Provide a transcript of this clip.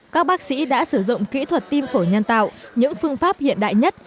các bác sĩ đã sử dụng kỹ thuật tim phổi nhân tạo những phương pháp hiện đại nhất